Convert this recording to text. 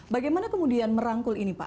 bagaimana kemudian merangkul ini pak